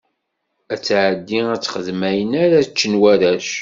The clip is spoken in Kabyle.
Ad tɛeddi ad texdem ayen ara ččen warrac.